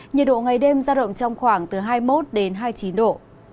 nhiệt độ ngày đêm giao động trong khoảng hai mươi một hai mươi chín độ